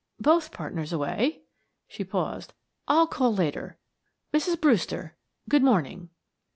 Both partners away"... she paused... "I'll call later Mrs. Brewster, good morning."